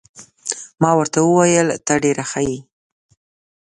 ما ورته وویل: ته ډېر ښه يې.